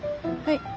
はい。